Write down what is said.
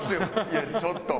いやちょっと。